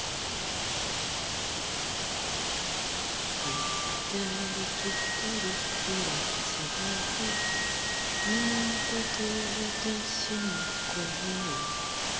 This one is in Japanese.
「行ったり来たりすれ違いあなたと私の恋」